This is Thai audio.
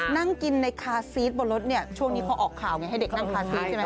นั่งกินในคาซีสบนรถเนี่ยช่วงนี้เขาออกข่าวไงให้เด็กนั่งคาซีสใช่ไหม